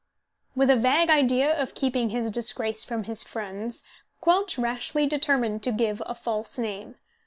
With a vague idea of keeping his disgrace from his friends, Quelch rashly determined to give a false name.